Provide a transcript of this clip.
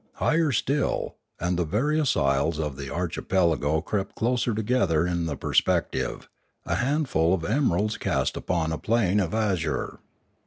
Higher still, and the various isles of the archipelago crept closer together in the perspective, a handful of emeralds cast upon a plain of azure.